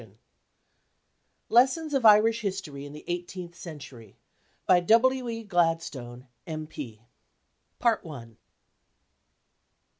] LESSONS OF IRISH HISTORY IN THE EIGHTEENTH CENTURY. BY W.E. GLADSTONE.